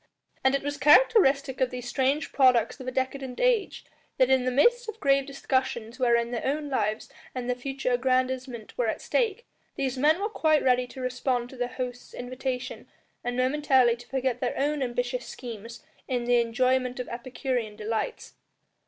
And it was characteristic of these strange products of a decadent age, that in the midst of grave discussions wherein their own lives and their future aggrandisement were at stake, these men were quite ready to respond to their host's invitation and momentarily to forget their own ambitious schemes in the enjoyment of epicurean delights.